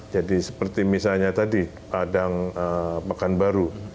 jadi seperti misalnya tadi adang makan baru